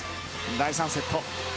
第３セット。